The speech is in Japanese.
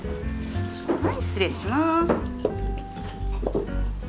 はい失礼します。